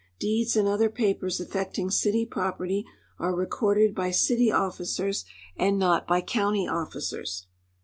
Deeds and other papers affecting city property are re corded by city officers and not by county officers.